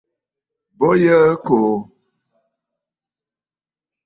Bo yǝǝ ɨkòò.